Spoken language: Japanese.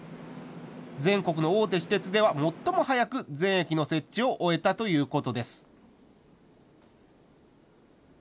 全国の大手私鉄では最も早く全駅の設置を終えたということです。